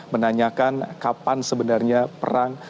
menanyakan kapan sebenarnya perang